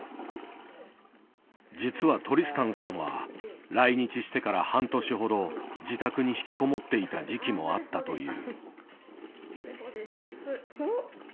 実はトリスタンさんは来日してから半年ほど自宅に引きこもっていた時期もあったという。